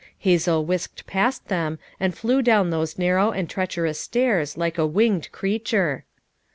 Hazel whisked past them and flew down those narrow and treacherous stairs like a winged creature.